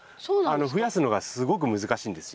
増やすのがすごく難しいんですよ。